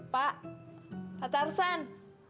pak pak tarzan